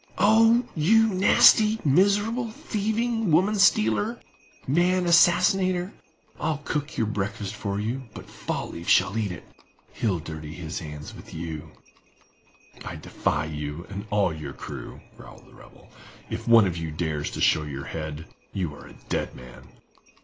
"Oh, you nasty, miserable, thievin' woman stealer, man assassinator. I'll cook your breakfast for you, but Fall leaf shall eat it; he'll dirty his hands with you!" "I defy you and all your crew," growled the rebel. "If one of you dares to show your head, you are a dead man!"